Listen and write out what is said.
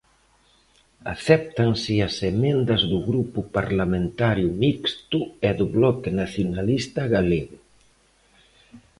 Acéptanse as emendas do Grupo Parlamentario Mixto e do Bloque Nacionalista Galego.